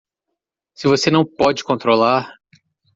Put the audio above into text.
Se você não pode controlar